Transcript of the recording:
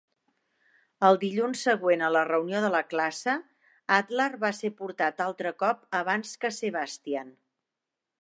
El dilluns següent a la reunió de la classe, Adler va se portat altre cop abans que Sebastian.